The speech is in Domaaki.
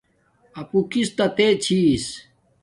اپو کس تا تے چھس